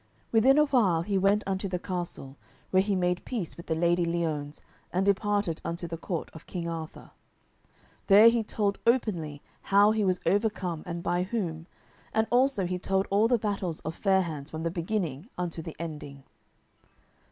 Within a while he went unto the castle, where he made peace with the Lady Liones, and departed unto the court of King Arthur. There he told openly how he was overcome and by whom, and also he told all the battles of Fair hands from the beginning unto the ending.